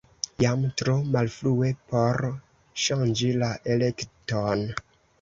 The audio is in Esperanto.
Jam tro malfrue por ŝanĝi la elekton.